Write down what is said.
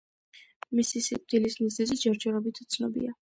მისი სიკვდილის მიზეზი ჯერ-ჯერობით უცნობია.